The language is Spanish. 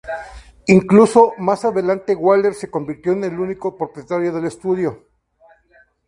Incluso, más adelante Weller se convirtió en el único propietario del estudio.